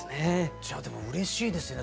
じゃあうれしいですよね。